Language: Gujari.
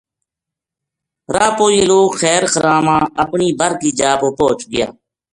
راہ پو یہ لوک خیر خرام اپنی بر کی جا پو پوہچ گیا